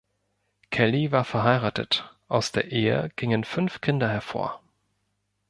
Kelly war verheiratet, aus der Ehe gingen fünf Kinder hervor.